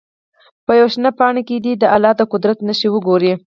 په یوه شنه پاڼه کې دې د الله د قدرت نښې وګوري.